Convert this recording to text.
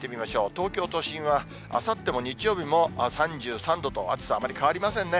東京都心はあさっても日曜日も３３度と、暑さ、あまり変わりませんね。